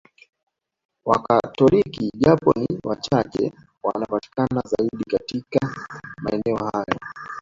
Wakatoliki japo ni wachache wanapatikana zaidi katika maeneo hayo